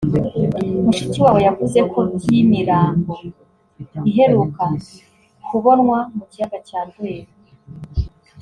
Mushikiwabo yavuze ko by’imirambo iheruka kubonwa mu kiyaga cya Rweru